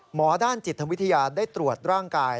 หมอด้านจิตวิทยาได้ตรวจร่างกาย